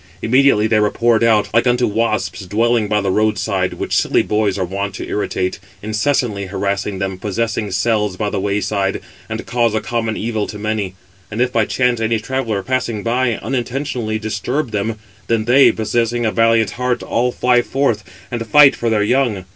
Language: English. Immediately they were poured out, like unto wasps dwelling by the road side, which silly boys are wont to irritate, incessantly harassing them, possessing cells by the way side; and cause a common evil to many. And if by chance any traveller, passing by, unintentionally disturb them, then they, possessing a valiant heart, all fly forth, and fight for their young.